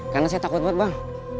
karena saya takut banget bang